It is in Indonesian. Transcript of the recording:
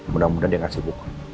mudah mudahan dia enggak sibuk